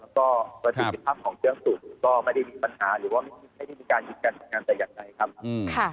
แล้วก็ประสิทธิภาพของเครื่องสูบก็ไม่ได้มีปัญหาหรือว่าไม่ได้มีการยึดการทำงานแต่อย่างใดครับ